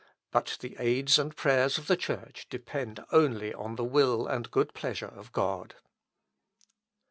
But the aids and prayers of the Church depend only on the will and good pleasure of God.